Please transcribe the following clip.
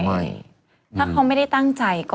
ไม่ถ้าเขาไม่ได้ตั้งใจก็